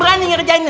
antum ngerjain aneh